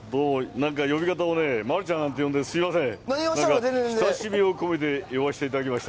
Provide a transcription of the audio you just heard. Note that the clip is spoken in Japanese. なんか呼び方をね、丸ちゃんなんて呼んですみません。